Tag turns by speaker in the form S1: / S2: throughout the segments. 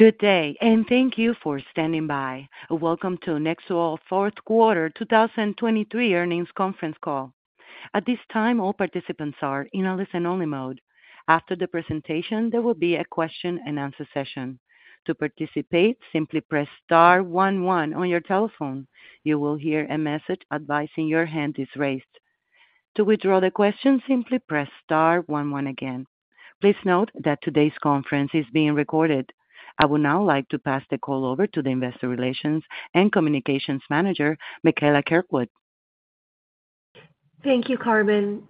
S1: Good day, and thank you for standing by. Welcome to Nyxoah fourth quarter 2023 earnings conference call. At this time, all participants are in a listen-only mode. After the presentation, there will be a question-and-answer session. To participate, simply press star one one on your telephone. You will hear a message advising your hand is raised. To withdraw the question, simply press star one one again. Please note that today's conference is being recorded. I would now like to pass the call over to the Investor Relations and Communications Manager, Michaela Kirkwood.
S2: Thank you, Carmen.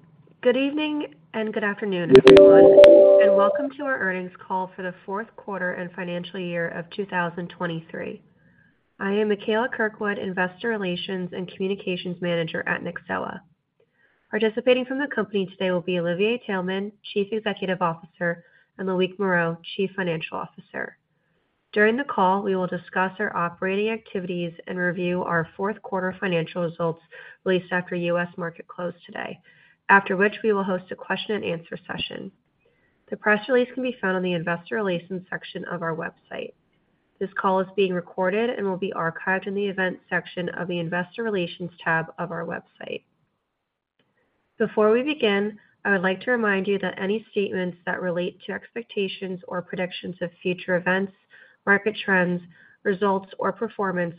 S2: Good evening and good afternoon, everyone, and welcome to our earnings call for the fourth quarter, and financial year of 2023. I am Michaela Kirkwood, Investor Relations and Communications Manager at Nyxoah. Participating from the company today will be Olivier Taelman, Chief Executive Officer, and Loïc Moreau, Chief Financial Officer. During the call, we will discuss our operating activities and review our fourth quarter financial results released after U.S. market close today, after which we will host a question-and-answer session. The press release can be found on the investor relations section of our website. This call is being recorded and will be archived in the events section of the investor relations tab of our website. Before we begin, I would like to remind you that any statements that relate to expectations or predictions of future events, market trends, results, or performance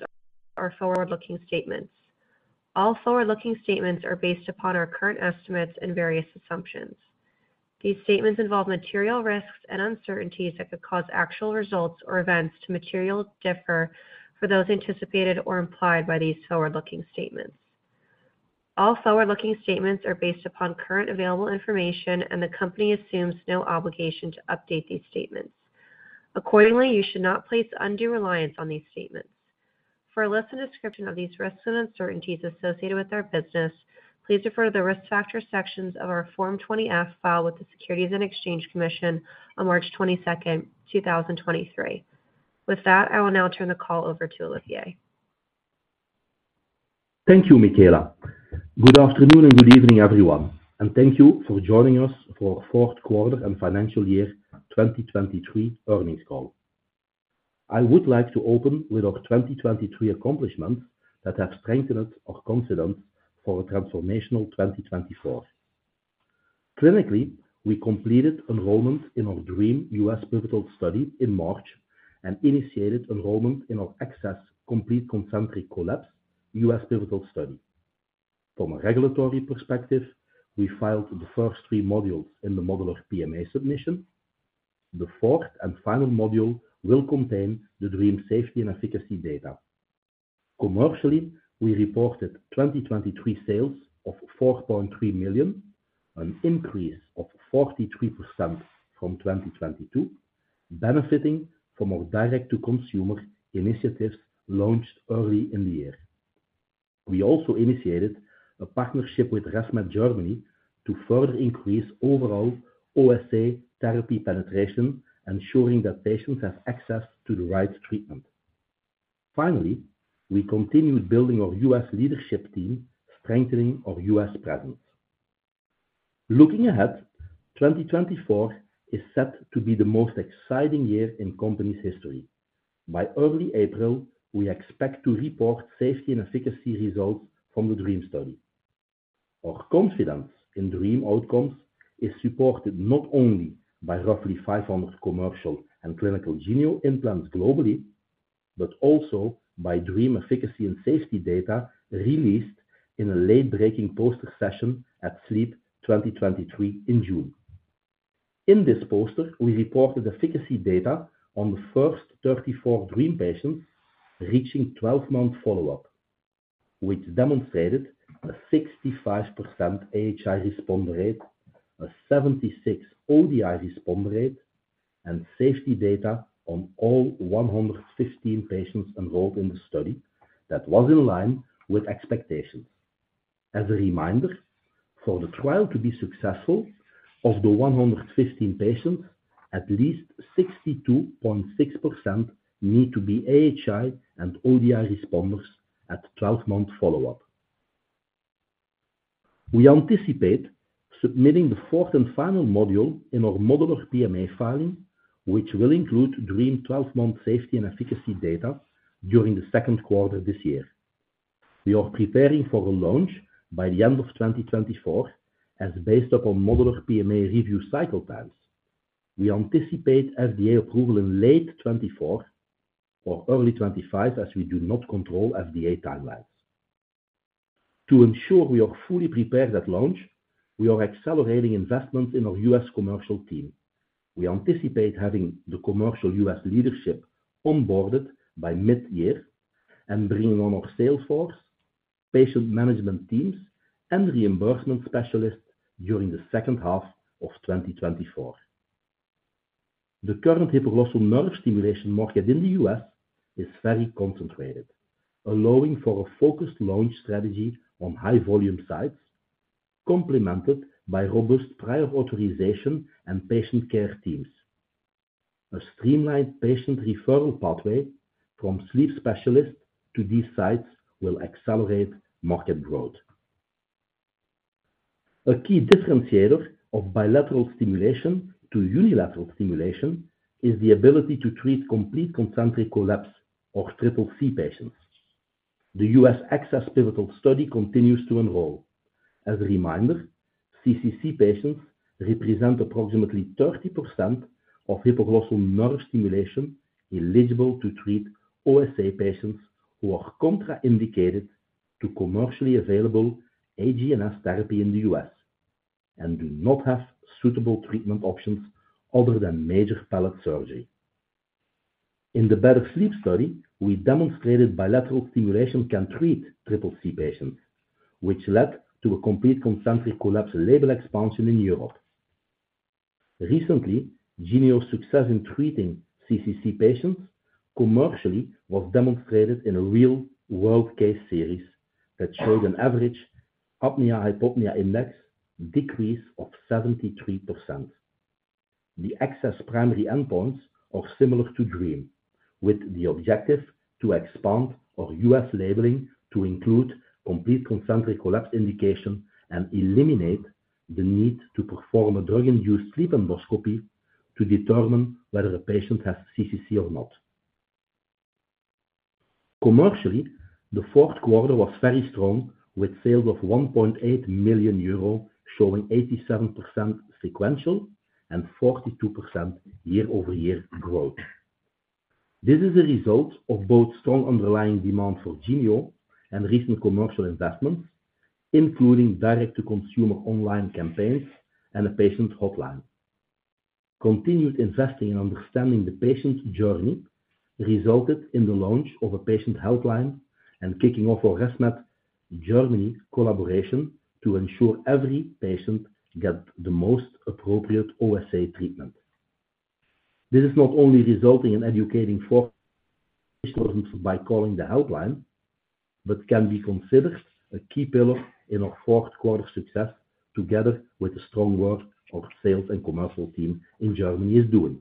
S2: are forward-looking statements. All forward-looking statements are based upon our current estimates and various assumptions. These statements involve material risks and uncertainties that could cause actual results or events to materially differ from those anticipated or implied by these forward-looking statements. All forward-looking statements are based upon current available information, and the company assumes no obligation to update these statements. Accordingly, you should not place undue reliance on these statements. For a list and description of these risks and uncertainties associated with our business, please refer to the Risk Factor sections of our Form 20-F filed with the Securities and Exchange Commission on March 22, 2023. With that, I will now turn the call over to Olivier.
S3: Thank you, Michaela. Good afternoon and good evening, everyone, and thank you for joining us for fourth quarter and financial year 2023 earnings call. I would like to open with our 2023 accomplishments that have strengthened our confidence for a transformational 2024. Clinically, we completed enrollment in our DREAM U.S. pivotal study in March and initiated enrollment in our ACCESS Complete Concentric Collapse U.S. pivotal study. From a regulatory perspective, we filed the first three modules in the modular PMA submission. The fourth, and final module will contain the DREAM safety and efficacy data. Commercially, we reported 2023 sales of 4.3 million, an increase of 43% from 2022, benefiting from our direct-to-consumer initiatives launched early in the year. We also initiated a partnership with ResMed Germany to further increase overall OSA therapy penetration, ensuring that patients have access to the right treatment. Finally, we continued building our U.S. leadership team, strengthening our U.S. presence. Looking ahead, 2024 is set to be the most exciting year in company's history. By early April, we expect to report safety and efficacy results from the DREAM study. Our confidence in DREAM outcomes is supported not only by roughly 500 commercial, and clinical Genio implants globally, but also by DREAM efficacy and safety data released in a late-breaking poster session at SLEEP 2023 in June. In this poster, we reported efficacy data on the first 34 DREAM patients reaching 12-month follow-up, which demonstrated a 65% AHI respond rate, a 76 ODI respond rate, and safety data on all 115 patients enrolled in the study that was in line with expectations. As a reminder, for the trial to be successful, of the 115 patients, at least 62.6% need to be AHI and ODI responders at twelve-month follow-up. We anticipate submitting the fourth and final module in our modular PMA filing, which will include DREAM twelve-month safety and efficacy data during the second quarter this year. We are preparing for a launch by the end of 2024, as based upon modular PMA review cycle times. We anticipate FDA approval in late 2024 or early 2025, as we do not control FDA timelines. To ensure we are fully prepared at launch, we are accelerating investments in our U.S. commercial team. We anticipate having the commercial U.S. leadership onboarded by mid-year and bringing on our sales force, patient management teams, and reimbursement specialists during the second half of 2024. The current hypoglossal nerve stimulation market in the U.S. is very concentrated, allowing for a focused launch strategy on high-volume sites, complemented by robust prior authorization and patient care teams. A streamlined patient referral pathway from sleep specialists to these sites will accelerate market growth. A key differentiator of bilateral stimulation to unilateral stimulation is the ability to treat complete concentric collapse or CCC patients. The U.S. ACCESS Pivotal study continues to enroll. As a reminder, CCC patients represent approximately 30% of hypoglossal nerve stimulation, eligible to treat OSA patients who are contraindicated to commercially available HGNS therapy in the U.S., and do not have suitable treatment options other than major palate surgery. In the BETTER SLEEP study, we demonstrated bilateral stimulation can treat CCC patients, which led to a complete concentric collapse label expansion in Europe. Recently, Genio's success in treating CCC patients commercially was demonstrated in a real-world case series that showed an average apnea-hypopnea index decrease of 73%. The ACCESS primary endpoints are similar to DREAM, with the objective to expand our U.S. labeling to include complete concentric collapse indication and eliminate the need to perform a drug-induced sleep endoscopy to determine whether a patient has CCC or not. Commercially, the fourth quarter was very strong, with sales of 1.8 million euro, showing 87% sequential and 42% year-over-year growth. This is a result of both strong underlying demand for Genio and recent commercial investments, including direct-to-consumer online campaigns and a patient hotline. Continued investing in understanding the patient's journey, resulted in the launch of a patient helpline and kicking off our ResMed Germany collaboration to ensure every patient gets the most appropriate OSA treatment. This is not only resulting in educating four patients by calling the helpline, but can be considered a key pillar in our fourth quarter success, together with the strong work our sales and commercial team in Germany is doing.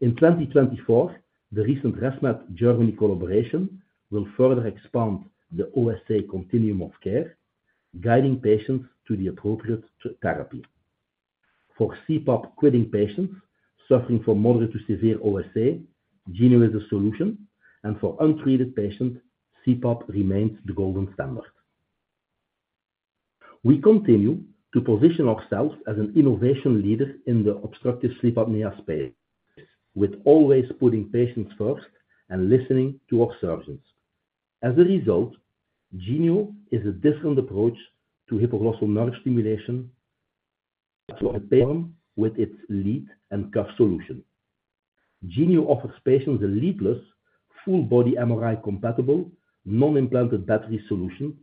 S3: In 2024, the recent ResMed Germany collaboration will further expand the OSA continuum of care, guiding patients to the appropriate therapy. For CPAP-quitting patients suffering from moderate to severe OSA, Genio is a solution, and for untreated patients, CPAP remains the golden standard. We continue to position ourselves as an innovation leader in the obstructive sleep apnea space, with always putting patients first and listening to our surgeons. As a result, Genio is a different approach to hypoglossal nerve stimulation, with its lead and cuff solution. Genio offers patients a leadless, full-body MRI-compatible, non-implanted battery solution,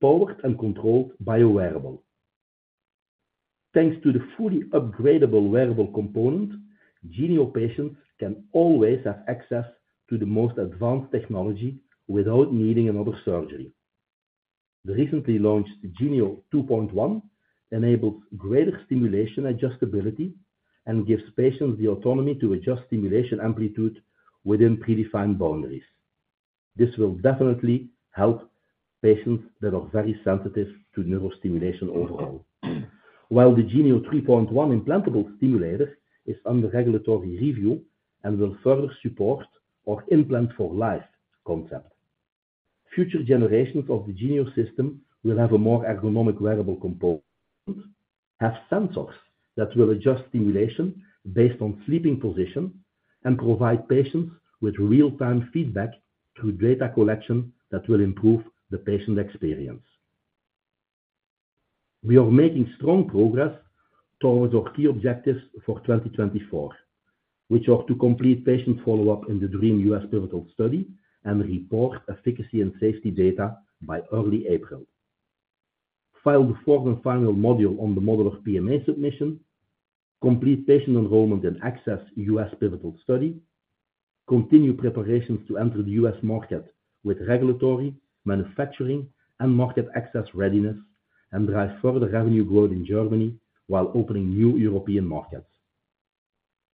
S3: powered and controlled by a wearable. Thanks to the fully upgradable wearable component, Genio patients can always have access to the most advanced technology without needing another surgery. The recently launched Genio 2.1 enables greater stimulation adjustability and gives patients the autonomy to adjust stimulation amplitude within predefined boundaries. This will definitely help patients that are very sensitive to neurostimulation overall. While the Genio 3.1 implantable stimulator is under regulatory review and will further support our implant for life concept. Future generations of the Genio system will have a more ergonomic, wearable component, have sensors that will adjust stimulation based on sleeping position, and provide patients with real-time feedback through data collection that will improve the patient experience. We are making strong progress towards our key objectives for 2024, which are to complete patient follow-up in the DREAM US pivotal study and report efficacy and safety data by early April. File the fourth and final module on the modular PMA submission, complete patient enrollment in ACCESS U.S. Pivotal Study, continue preparations to enter the U.S. market with regulatory, manufacturing, and market access readiness, and drive further revenue growth in Germany while opening new European markets.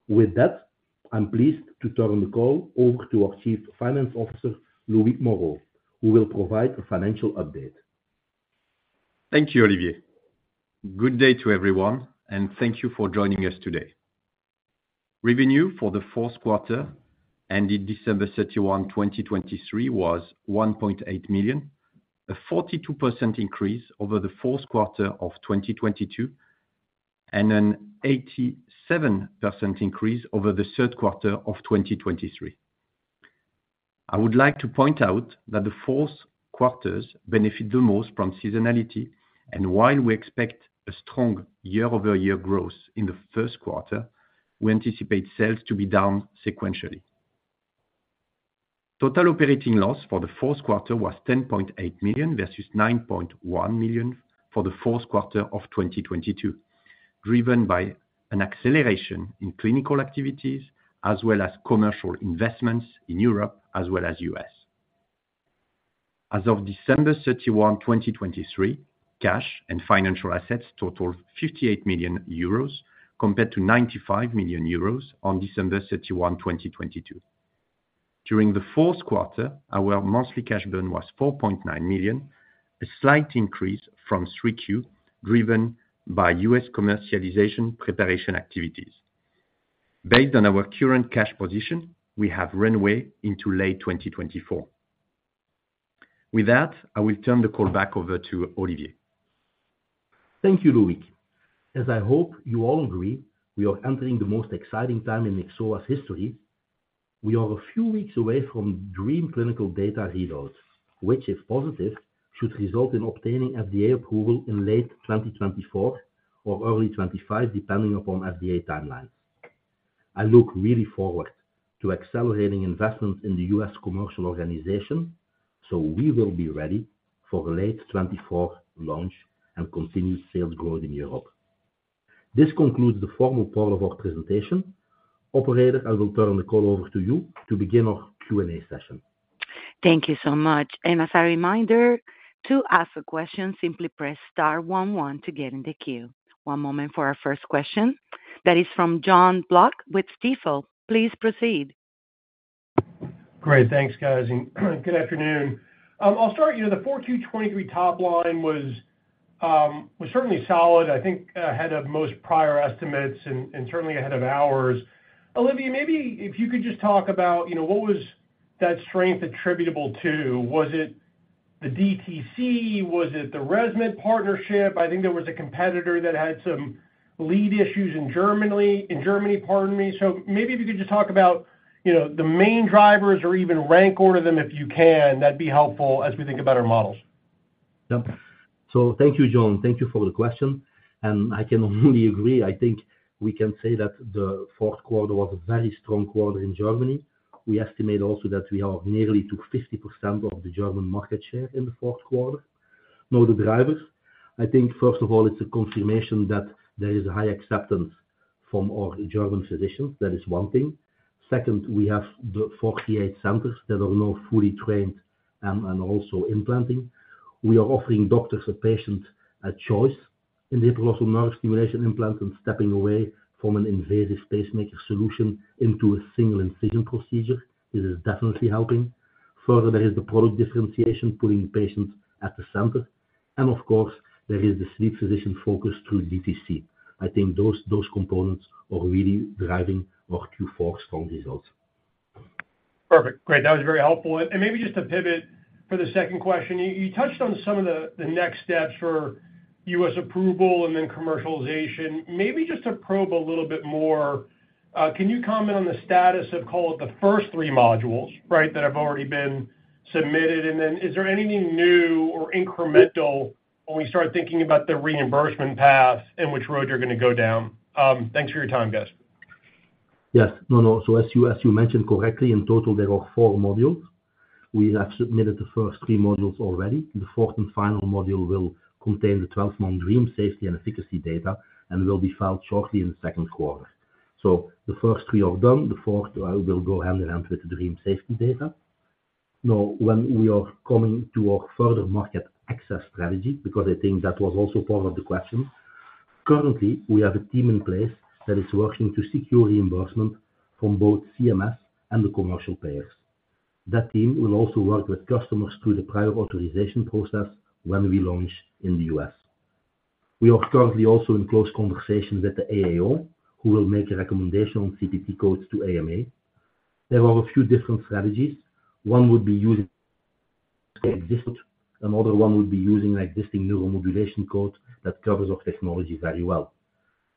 S3: With that, I'm pleased to turn the call over to our Chief Financial Officer, Loïc Moreau, who will provide a financial update.
S4: Thank you, Olivier. Good day to everyone, and thank you for joining us today. Revenue for the fourth quarter, ended December 31, 2023, was 1.8 million, a 42% increase over the fourth quarter of 2022, and an 87% increase over the third quarter of 2023. I would like to point out that the fourth quarters benefit the most from seasonality, and while we expect a strong year-over-year growth in the first quarter, we anticipate sales to be down sequentially. Total operating loss for the fourth quarter was 10.8 million versus 9.1 million for the fourth quarter of 2022, driven by an acceleration in clinical activities as well as commercial investments in Europe as well as U.S. As of December 31, 2023, cash and financial assets totaled 58 million euros compared to 95 million euros on December 31, 2022.During the fourth quarter, our monthly cash burn was 4.9 million, a slight increase from 3Q, driven by U.S. commercialization preparation activities. Based on our current cash position, we have runway into late 2024. With that, I will turn the call back over to Olivier.
S3: Thank you, Loïc. As I hope you all agree, we are entering the most exciting time in Nyxoah's history. We are a few weeks away from DREAM clinical data readouts, which, if positive, should result in obtaining FDA approval in late 2024 or early 2025, depending upon FDA timelines. I look really forward to accelerating investment in the U.S. commercial organization, so we will be ready for late 2024 launch and continued sales growth in Europe. This concludes the formal part of our presentation. Operator, I will turn the call over to you to begin our Q&A session.
S1: Thank you so much. As a reminder, to ask a question, simply press star one, one to get in the queue. One moment for our first question. That is from Jon Block with Stifel. Please proceed.
S5: Great. Thanks, guys, and good afternoon. I'll start, you know, the Q4 2023 top line was, was certainly solid, I think, ahead of most prior estimates and, and certainly ahead of ours. Olivier, maybe if you could just talk about, you know, what was that strength attributable to? Was it the DTC? Was it the ResMed partnership? I think there was a competitor that had some lead issues in Germany- in Germany, pardon me. So maybe if you could just talk about, you know, the main drivers or even rank order them, if you can, that'd be helpful as we think about our models.
S3: Yeah. So thank you, John. Thank you for the question, and I can only agree. I think we can say that the fourth quarter was a very strong quarter in Germany. We estimate also that we are nearly to 50% of the German market share in the fourth quarter. Now, the drivers, I think, first of all, it's a confirmation that there is a high acceptance from our German physicians. That is one thing. Second, we have the 48 centers that are now fully trained, and also implanting. We are offering doctors or patients a choice in the hypoglossal nerve stimulation implant and stepping away from an invasive pacemaker solution into a single incision procedure. This is definitely helping. Further, there is the product differentiation, putting the patient at the center, and of course, there is the sleep physician focus through DTC. I think those components are really driving our Q4 strong results.
S5: Perfect. Great, that was very helpful. And maybe just to pivot for the second question, you touched on some of the next steps for U.S. approval and then commercialization. Maybe just to probe a little bit more, can you comment on the status of, call it, the first three modules, right, that have already been submitted? And then is there anything new or incremental when we start thinking about the reimbursement path and which road you're gonna go down? Thanks for your time, guys.
S3: Yes. No, no. So as you, as you mentioned correctly, in total, there are four modules. We have submitted the first three modules already. The fourth and final module will contain the 12-month DREAM safety and efficacy data and will be filed shortly in the second quarter. So the first three are done, the fourth will go hand in hand with the DREAM safety data. Now, when we are coming to our further market access strategy, because I think that was also part of the question. Currently, we have a team in place that is working to secure reimbursement from both CMS and the commercial payers. That team will also work with customers through the prior authorization process when we launch in the U.S. We are currently also in close conversations with the AAO, who will make a recommendation on CPT codes to AMA. There are a few different strategies. One would be using existing, another one would be using existing neuromodulation codes that covers our technology very well.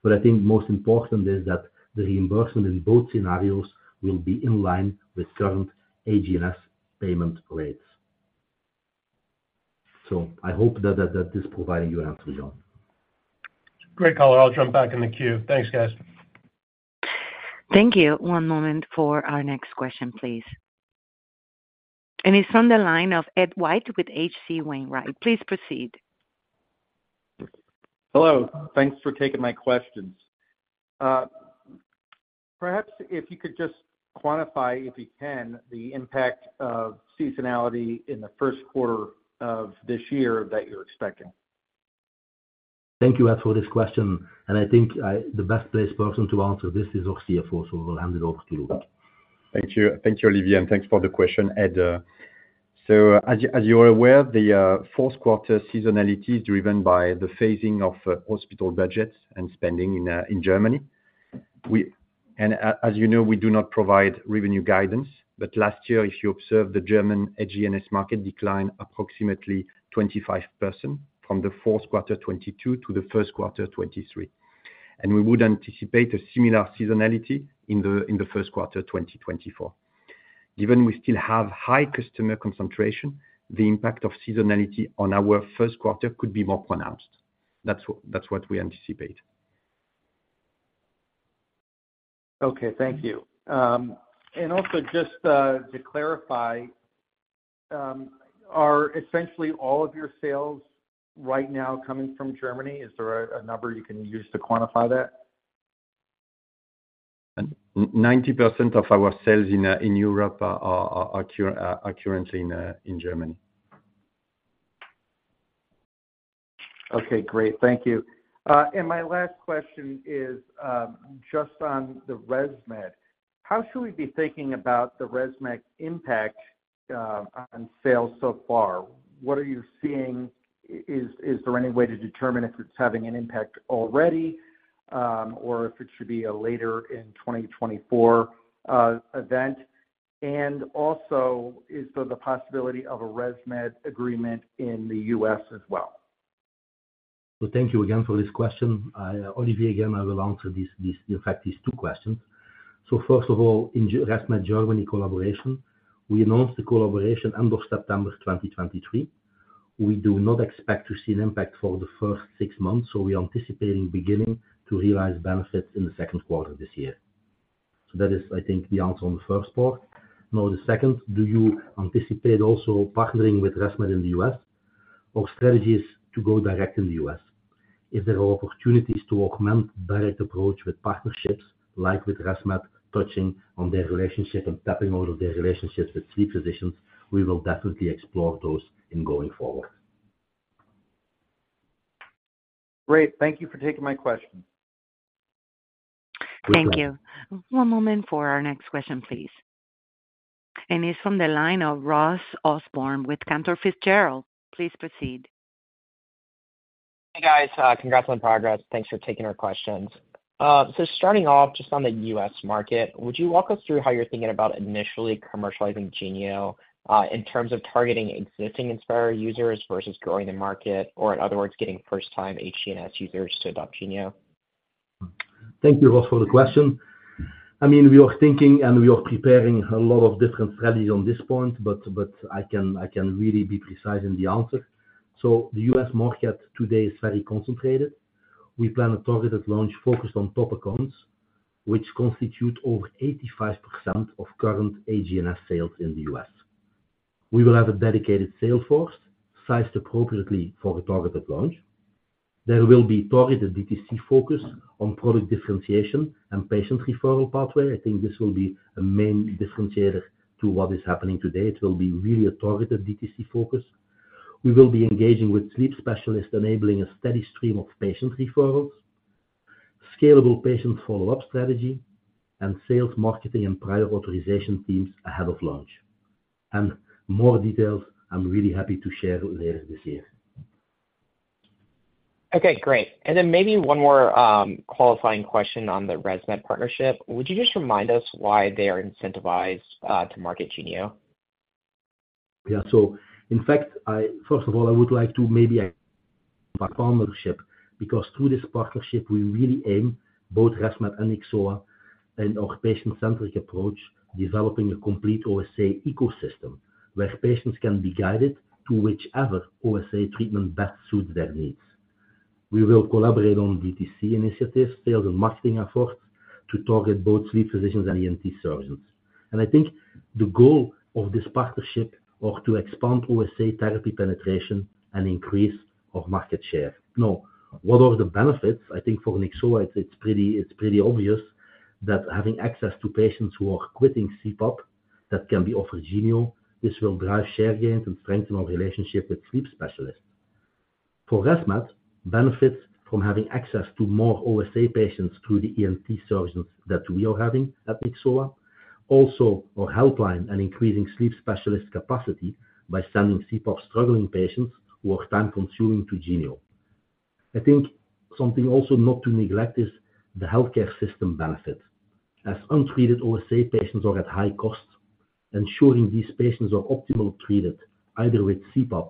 S3: But I think most important is that the reimbursement in both scenarios will be in line with current HGNS payment rates. So I hope that is providing you an answer, John.
S5: Great call. I'll jump back in the queue. Thanks, guys.
S1: Thank you. One moment for our next question, please. It's on the line of Edward White with H.C. Wainwright. Please proceed.
S6: Hello. Thanks for taking my questions. Perhaps if you could just quantify, if you can, the impact of seasonality in the first quarter of this year that you're expecting?
S3: Thank you, Ed, for this question, and I think the best placed person to answer this is our CFO, so we'll hand it over to Loïc.
S4: Thank you. Thank you, Olivier, and thanks for the question, Ed. So as you, as you are aware, the fourth quarter seasonality is driven by the phasing of hospital budgets and spending in Germany. And as you know, we do not provide revenue guidance, but last year, if you observed, the German HGNS market declined approximately 25% from the fourth quarter 2022 to the first quarter 2023. And we would anticipate a similar seasonality in the first quarter 2024. Even we still have high customer concentration, the impact of seasonality on our first quarter could be more pronounced. That's what, that's what we anticipate.
S6: Okay. Thank you. And also just to clarify, are essentially all of your sales right now coming from Germany? Is there a number you can use to quantify that?
S4: 90% of our sales in Europe are currently in Germany....
S6: Okay, great. Thank you. And my last question is, just on the ResMed. How should we be thinking about the ResMed impact on sales so far? What are you seeing? Is there any way to determine if it's having an impact already, or if it should be a later in 2024 event? And also, is there the possibility of a ResMed agreement in the U.S. as well?
S3: So thank you again for this question. I, Olivier, again, will answer these. In fact, these two questions. So first of all, in ResMed Germany collaboration, we announced the collaboration end of September 2023. We do not expect to see an impact for the first six months, so we are anticipating beginning to realize benefits in the second quarter this year. So that is, I think, the answer on the first part. Now, the second, do you anticipate also partnering with ResMed in the U.S.? Our strategy is to go direct in the U.S. If there are opportunities to augment direct approach with partnerships, like with ResMed, touching on their relationship and tapping all of their relationships with sleep physicians, we will definitely explore those going forward.
S6: Great. Thank you for taking my question.
S3: You're welcome.
S1: Thank you. One moment for our next question, please. It's from the line of Ross Osborn with Cantor Fitzgerald. Please proceed.
S7: Hey, guys. Congrats on progress. Thanks for taking our questions. So starting off, just on the U.S. market, would you walk us through how you're thinking about initially commercializing Genio, in terms of targeting existing Inspire users versus growing the market, or in other words, getting first-time HGNS users to adopt Genio?
S3: Thank you, Ross, for the question. I mean, we are thinking, and we are preparing a lot of different strategies on this point, but, but I can, I can really be precise in the answer. So the U.S. market today is very concentrated. We plan a targeted launch focused on top accounts, which constitute over 85% of current HGNS sales in the U.S. We will have a dedicated sales force, sized appropriately for a targeted launch. There will be targeted DTC focus on product differentiation and patient referral pathway. I think this will be a main differentiator to what is happening today. It will be really a targeted DTC focus. We will be engaging with sleep specialists, enabling a steady stream of patient referrals, scalable patient follow-up strategy, and sales, marketing, and prior authorization teams ahead of launch. More details I'm really happy to share later this year.
S7: Okay, great. And then maybe one more qualifying question on the ResMed partnership. Would you just remind us why they are incentivized to market Genio?
S3: Yeah. So in fact, I first of all, I would like to maybe partnership, because through this partnership, we really aim, both ResMed and Nyxoah, in our patient-centric approach, developing a complete OSA ecosystem, where patients can be guided to whichever OSA treatment best suits their needs. We will collaborate on DTC initiatives, sales and marketing efforts to target both sleep physicians and ENT surgeons. And I think the goal of this partnership are to expand OSA therapy penetration and increase our market share. Now, what are the benefits? I think for Nyxoah, it's pretty obvious that having access to patients who are quitting CPAP, that can be offered Genio, this will drive share gains and strengthen our relationship with sleep specialists. For ResMed, benefits from having access to more OSA patients through the ENT surgeons that we are having at Nyxoah. Also, our helpline and increasing sleep specialist capacity by sending CPAP struggling patients who are time-consuming to Genio. I think something also not to neglect is the healthcare system benefit. As untreated OSA patients are at high cost, ensuring these patients are optimally treated, either with CPAP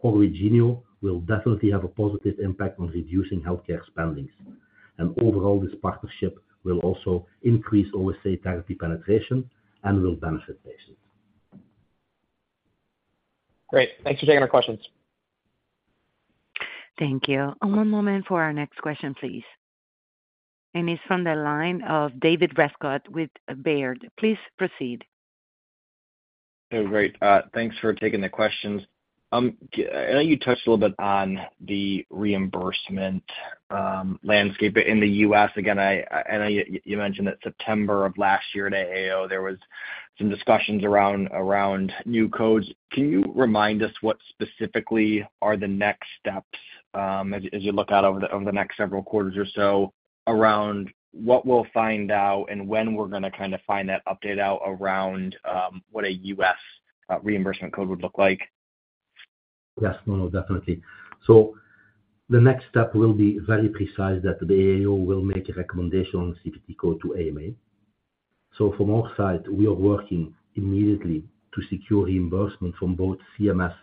S3: or with Genio, will definitely have a positive impact on reducing healthcare spending. And overall, this partnership will also increase OSA therapy penetration and will benefit patients.
S7: Great. Thanks for taking our questions.
S1: Thank you. One moment for our next question, please. It's from the line of David Rescott with Baird. Please proceed.
S8: Oh, great. Thanks for taking the questions. I know you touched a little bit on the reimbursement landscape in the U.S. Again, I know you mentioned that September of last year at AAO, there was some discussions around new codes. Can you remind us what specifically are the next steps, as you look out over the next several quarters or so, around what we'll find out and when we're gonna kinda find that update out around what a U.S. reimbursement code would look like?
S3: Yes, definitely. So the next step will be very precise, that the AAO will make a recommendation CPT code to AMA. So from our side, we are working immediately to secure reimbursement from both CMS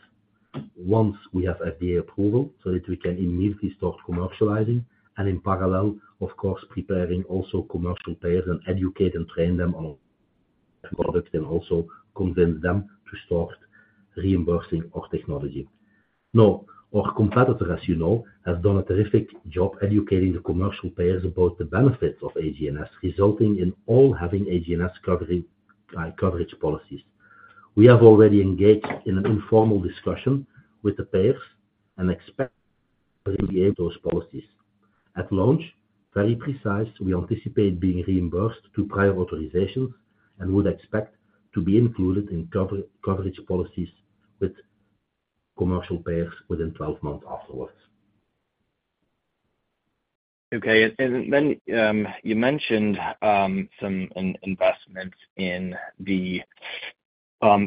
S3: once we have FDA approval, so that we can immediately start commercializing. And in parallel, of course, preparing also commercial payers and educate and train them on product and also convince them to start reimbursing our technology. Now, our competitor, as you know, has done a terrific job educating the commercial payers about the benefits of HGNS, resulting in all having HGNS coverage, coverage policies. We have already engaged in an informal discussion with the payers, and expect to engage those policies. At launch, very precise, we anticipate being reimbursed to prior authorization and would expect to be included in coverage policies with commercial payers within 12 months afterwards.
S8: Okay. And then you mentioned some investments in the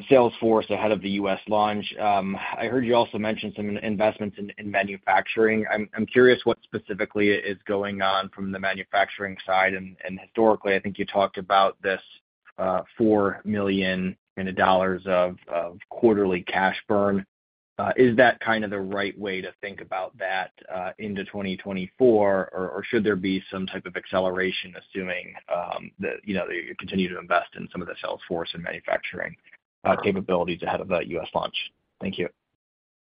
S8: sales force ahead of the U.S. launch. I heard you also mention some investments in manufacturing. I'm curious what specifically is going on from the manufacturing side, and historically, I think you talked about this, $4 million of quarterly cash burn. Is that kind of the right way to think about that into 2024? Or should there be some type of acceleration, assuming that, you know, you continue to invest in some of the sales force and manufacturing capabilities ahead of that U.S. launch? Thank you.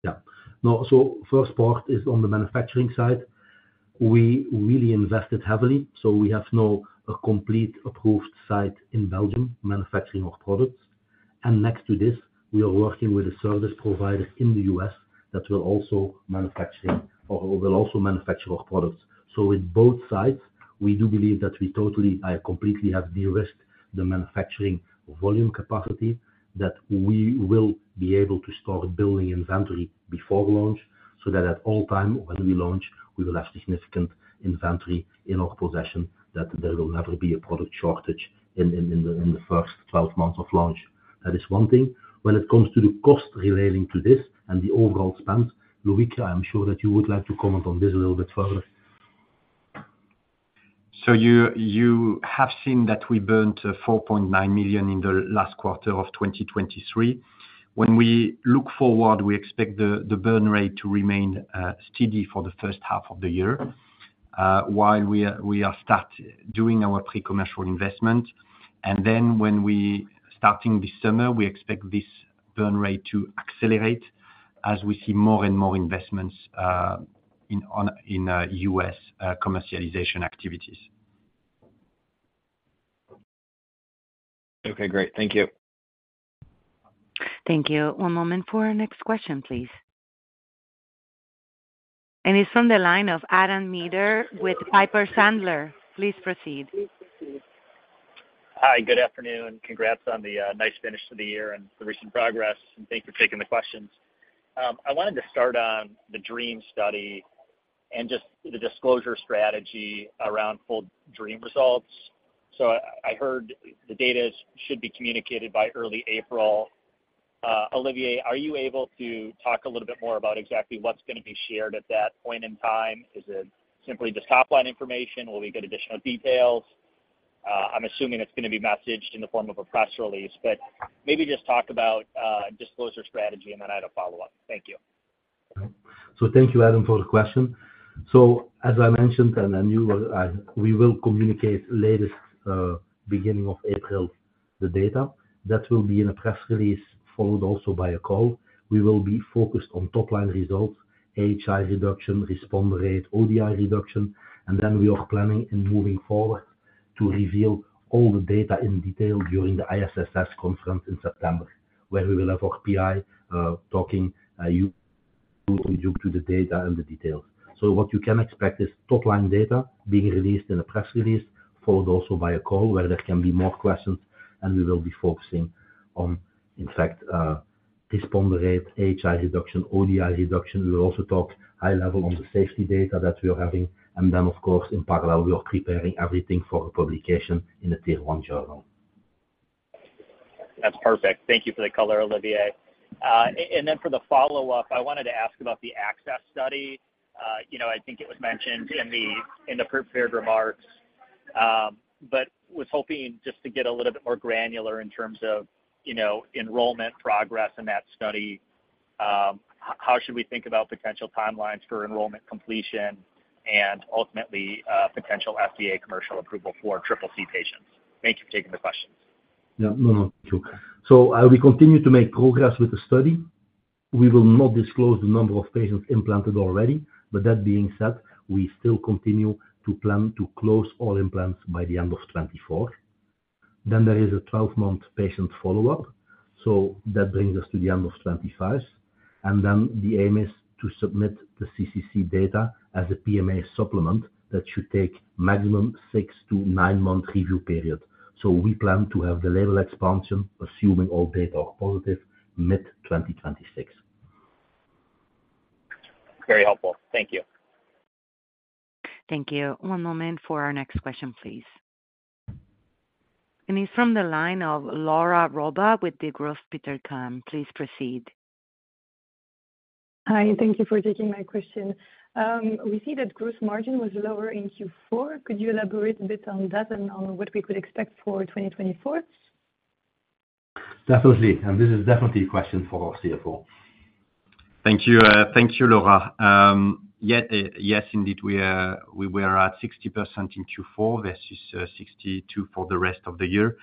S3: Yeah. So first part is on the manufacturing side. We really invested heavily, so we have now a complete approved site in Belgium manufacturing our products. And next to this, we are working with a service provider in the U.S. that will also manufacturing or will also manufacture our products. So with both sides, we do believe that we totally, completely have de-risked the manufacturing volume capacity, that we will be able to start building inventory before launch, so that at all time when we launch, we will have significant inventory in our possession, that there will never be a product shortage in, in, in the, in the first 12 months of launch. That is one thing. When it comes to the cost relating to this and the overall spend, Loïc, I'm sure that you would like to comment on this a little bit further.
S4: So you have seen that we burned 4.9 million in the last quarter of 2023. When we look forward, we expect the burn rate to remain steady for the first half of the year while we are starting to do our pre-commercial investment. And then when we start this summer, we expect this burn rate to accelerate as we see more and more investments in U.S. commercialization activities.
S8: Okay, great. Thank you.
S1: Thank you. One moment for our next question, please. It's from the line of Adam Maeder with Piper Sandler. Please proceed.
S9: Hi, good afternoon. Congrats on the nice finish to the year and the recent progress, and thanks for taking the questions. I wanted to start on the DREAM study and just the disclosure strategy around full DREAM results. I heard the data should be communicated by early April. Olivier, are you able to talk a little bit more about exactly what's gonna be shared at that point in time? Is it simply just top-line information? Will we get additional details? I'm assuming it's gonna be messaged in the form of a press release, but maybe just talk about disclosure strategy, and then I have a follow-up. Thank you.
S3: So thank you, Adam, for the question. So as I mentioned, and I knew, we will communicate latest beginning of April the data. That will be in a press release, followed also by a call. We will be focused on top-line results, AHI reduction, response rate, ODI reduction, and then we are planning in moving forward to reveal all the data in detail during the ISSS conference in September, where we will have our PI talking due to the data and the details. So what you can expect is top-line data being released in a press release, followed also by a call where there can be more questions, and we will be focusing on, in fact, response rate, AHI reduction, ODI reduction. We'll also talk high level on the safety data that we are having, and then of course, in parallel, we are preparing everything for a publication in a Tier One journal.
S9: That's perfect. Thank you for the color, Olivier. And then for the follow-up, I wanted to ask about the ACCESS study. You know, I think it was mentioned in the prepared remarks, but was hoping just to get a little bit more granular in terms of, you know, enrollment progress in that study. How should we think about potential timelines for enrollment completion and ultimately potential FDA commercial approval for CCC patients? Thank you for taking the questions.
S3: Yeah, no, no, thank you. So, we continue to make progress with the study. We will not disclose the number of patients implanted already, but that being said, we still continue to plan to close all implants by the end of 2024. Then there is a 12-month patient follow-up, so that brings us to the end of 2025. And then the aim is to submit the CCC data as a PMA supplement that should take maximum 6-9-month review period. So we plan to have the label expansion, assuming all data are positive, mid-2026.
S9: Very helpful. Thank you.
S1: Thank you. One moment for our next question, please. It's from the line of Laura Roba with Degroof Petercam. Please proceed.
S10: Hi, thank you for taking my question. We see that gross margin was lower in Q4. Could you elaborate a bit on that and on what we could expect for 2024?
S3: That was it, and this is definitely a question for our CFO.
S4: Thank you. Thank you, Laura. Yeah, yes, indeed, we are, we were at 60% in Q4 versus 62% for the rest of the year.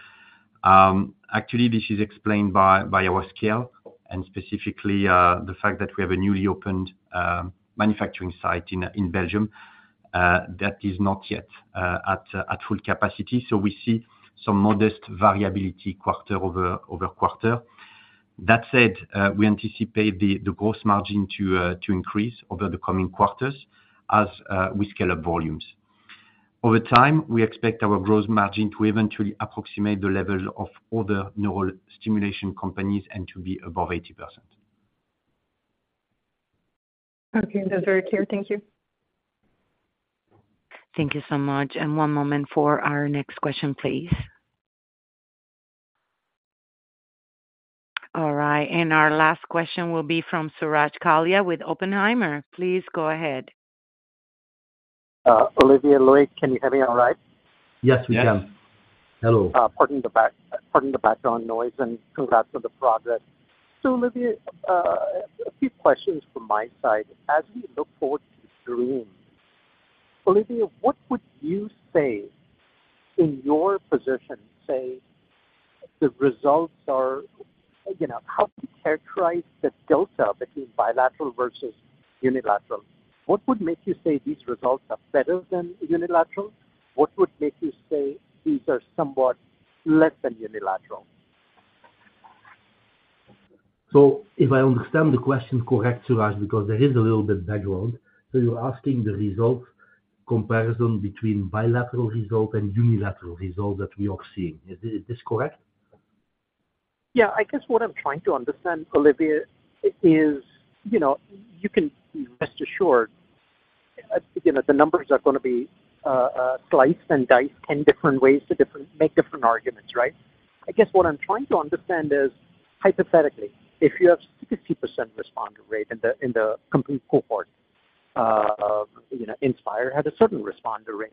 S4: Actually, this is explained by, by our scale, and specifically, the fact that we have a newly opened manufacturing site in, in Belgium that is not yet at, at full capacity. So we see some modest variability quarter-over-quarter.... That said, we anticipate the gross margin to increase over the coming quarters as we scale up volumes. Over time, we expect our gross margin to eventually approximate the level of other neural stimulation companies and to be above 80%.
S10: Okay, that's very clear. Thank you.
S1: Thank you so much, and one moment for our next question, please. All right, and our last question will be from Suraj Kalia with Oppenheimer. Please go ahead.
S11: Olivier Taelman, can you hear me all right?
S3: Yes, we can.
S4: Yes.
S3: Hello.
S11: Pardon the background noise, and congrats on the progress. So, Olivier, a few questions from my side. As we look forward to DREAM, Olivier, what would you say in your position, say, the results are, you know, how do you characterize the delta between bilateral versus unilateral? What would make you say these results are better than unilateral? What would make you say these are somewhat less than unilateral?
S3: So if I understand the question correct, Suraj, because there is a little bit background. So you're asking the results comparison between bilateral results and unilateral results that we are seeing. Is this, this correct?
S11: Yeah. I guess what I'm trying to understand, Olivier, is, you know, you can rest assured, you know, the numbers are gonna be sliced and diced in different ways to make different arguments, right? I guess what I'm trying to understand is, hypothetically, if you have 60% responder rate in the complete cohort, you know, Inspire had a certain responder rate.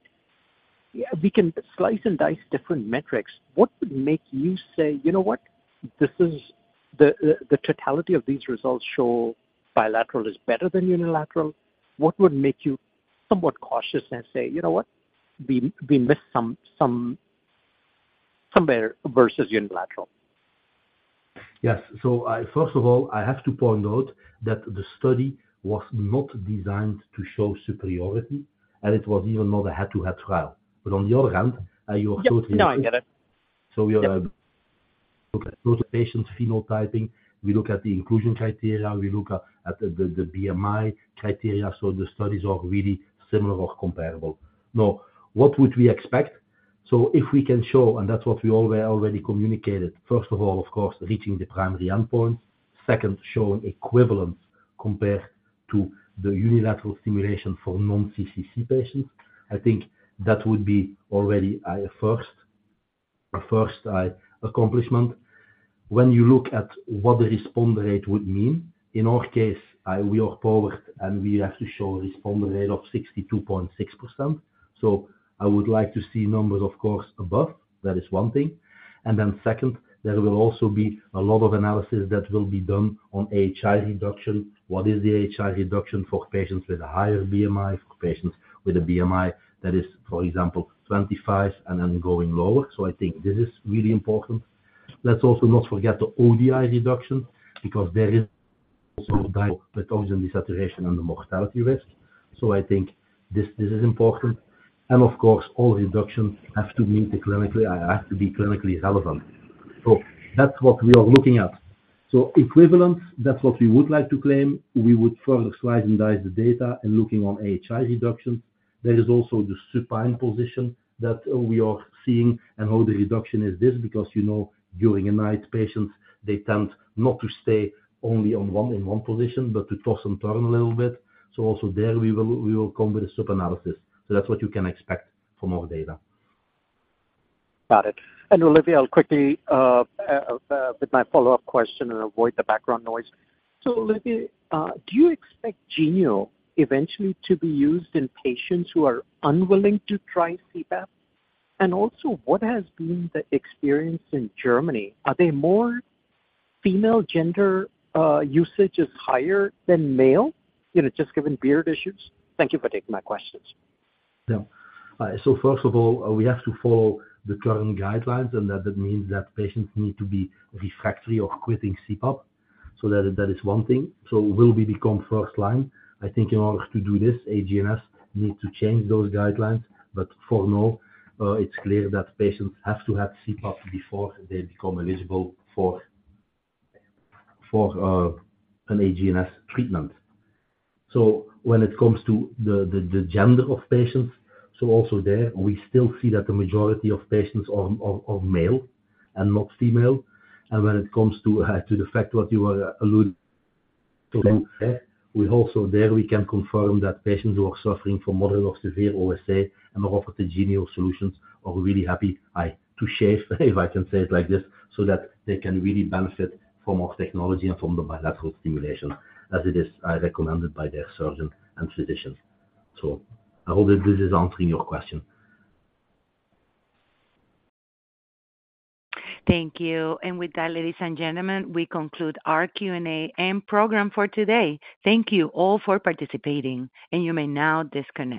S11: Yeah, we can slice and dice different metrics. What would make you say, "You know what? This is the totality of these results show bilateral is better than unilateral." What would make you somewhat cautious and say, "You know what? We missed some better versus unilateral?
S3: Yes. So first of all, I have to point out that the study was not designed to show superiority, and it was even not a head-to-head trial. But on the other hand, you are totally-
S11: Yeah. No, I get it.
S3: So we are-
S11: Yep.
S3: Look at those patients phenotyping. We look at the inclusion criteria, we look at the BMI criteria. So the studies are really similar or comparable. Now, what would we expect? So if we can show, and that's what we already communicated, first of all, of course, reaching the primary endpoint, second, showing equivalence compared to the unilateral stimulation for non-CCC patients, I think that would be already a first accomplishment. When you look at what the responder rate would mean, in our case, I will forward and we have to show a responder rate of 62.6%. So I would like to see numbers, of course, above. That is one thing. And then second, there will also be a lot of analysis that will be done on AHI reduction. What is the AHI reduction for patients with a higher BMI, for patients with a BMI that is, for example, 25 and then going lower? So I think this is really important. Let's also not forget the ODI reduction, because there is also oxygen desaturation and the mortality risk. So I think this, this is important. And of course, all reductions have to meet the clinically... have to be clinically relevant. So that's what we are looking at. So equivalence, that's what we would like to claim. We would further slice and dice the data and looking on AHI reductions. There is also the supine position that, we are seeing and how the reduction is this, because, you know, during the night, patients, they tend not to stay only on one, in one position, but to toss and turn a little bit. Also, there we will come with a sub-analysis. That's what you can expect from our data.
S11: Got it. And Olivier, I'll quickly with my follow-up question and avoid the background noise. So, Olivier, do you expect Genio eventually to be used in patients who are unwilling to try CPAP? And also, what has been the experience in Germany? Are there more female gender, usage is higher than male, you know, just given beard issues? Thank you for taking my questions.
S3: Yeah. So first of all, we have to follow the current guidelines, and that means that patients need to be refractory or quitting CPAP. So that is one thing. So will we become first line? I think in order to do this, HGNS need to change those guidelines, but for now, it's clear that patients have to have CPAP before they become eligible for an HGNS treatment. So when it comes to the gender of patients, so also there, we still see that the majority of patients are male and not female. And when it comes to, to the fact what you are alluding to, we also there, we can confirm that patients who are suffering from moderate or severe OSA and offered the Genio solutions are really happy, to shave, if I can say it like this, so that they can really benefit from our technology, and from the bilateral stimulation as it is recommended by their surgeon and physician. So I hope that this is answering your question.
S1: Thank you. And with that, ladies and gentlemen, we conclude our Q&A and program for today. Thank you all for participating, and you may now disconnect.